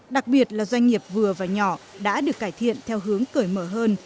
đặc biệt là doanh nghiệp vừa và nhỏ đã được cải thiện theo hướng cởi mở hơn